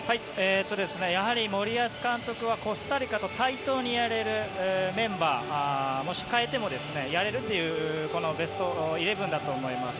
やはり森保監督はコスタリカと対等にやれるメンバーもし代えてもやれるというベスト１１だと思います。